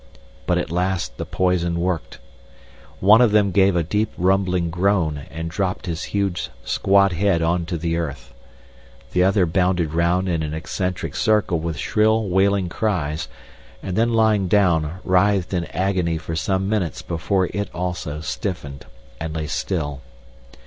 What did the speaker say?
But at last the poison worked. One of them gave a deep rumbling groan and dropped his huge squat head on to the earth. The other bounded round in an eccentric circle with shrill, wailing cries, and then lying down writhed in agony for some minutes before it also stiffened and lay still.